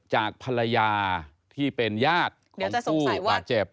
จากภรรยาที่เป็นญาติของผู้บาดเจ็บ